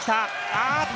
あっと！